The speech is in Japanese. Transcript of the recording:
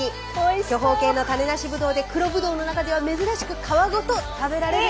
巨峰系の種なしブドウで黒ブドウの中では珍しく皮ごと食べられる！